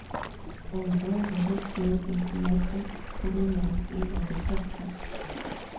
Although Robert's name is not as prominent in the record books.